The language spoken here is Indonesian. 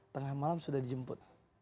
tengah malam sudah dijemput